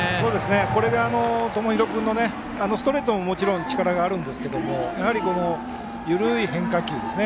これが友廣君のストレートももちろん力はあるんですけども緩い変化球ですね。